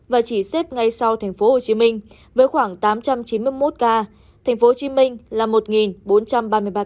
và chỉ xếp ngay sau thành phố hồ chí minh với khoảng tám trăm chín mươi một ca thành phố hồ chí minh là một bốn trăm ba mươi ba ca